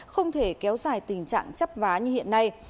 không thể kéo dài tình trạng chấp vá như hiện nay